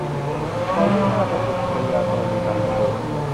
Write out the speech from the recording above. ก่อนมุ่งหน้าไปอุทยาธรณีสามพันโบก